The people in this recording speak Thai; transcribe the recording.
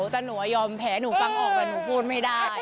หนูจะยอมแพ้หนูฟังออกหนูโพนไม่ได้